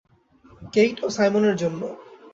Kate ও সাইমনের জন্য।